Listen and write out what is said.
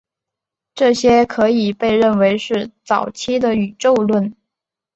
这些可以被认为是早期的宇宙论。